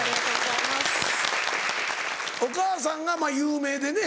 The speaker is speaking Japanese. お母さんがまぁ有名でね。